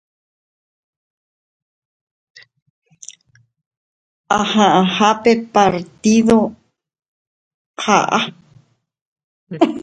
Aha'ãhápe partido ha'a.